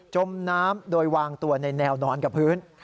จมน้ำโดยวางตัวในแนวนอนกับพื้น